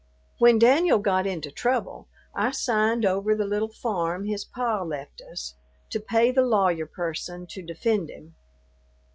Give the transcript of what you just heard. When Danyul got into trouble, I signed over the little farm his pa left us, to pay the lawyer person to defend him.